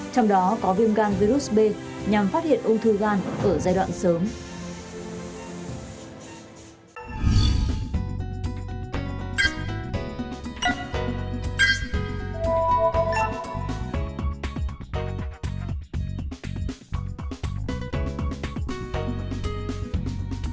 trong đó có viêm gan virus b nhằm phát hiện ung thư gan ở giai đoạn sớm